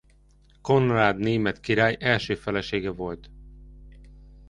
Konrád német király első felesége volt.